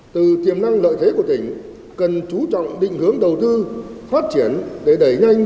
từ tiềm năng lợi thế của tỉnh cần chú trọng định hướng đầu tư phát triển để đẩy nhanh